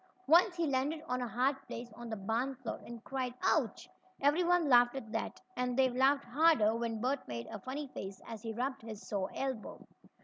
Once he landed on a hard place on the barn floor, and cried: "Ouch!" Everyone laughed at that, and they laughed harder when Bert made a funny face as he rubbed his sore elbow.